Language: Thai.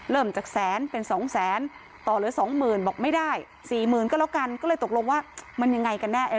เริ่มจากแสนเป็นสองแสนต่อเหลือสองหมื่นบอกไม่ได้สี่หมื่นก็แล้วกันก็เลยตกลงว่ามันยังไงกันแน่